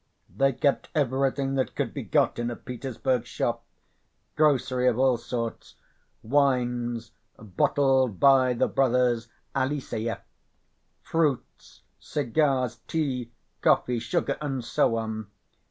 They kept everything that could be got in a Petersburg shop, grocery of all sort, wines "bottled by the brothers Eliseyev," fruits, cigars, tea, coffee, sugar, and so on.